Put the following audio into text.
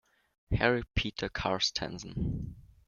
Harry Peter Carstensen